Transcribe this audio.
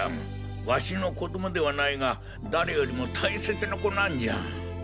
ワシの子供ではないが誰よりも大切な子なんじゃ。